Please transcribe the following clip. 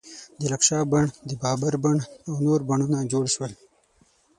د لکشا بڼ، د بابر بڼ او نور بڼونه جوړ شول.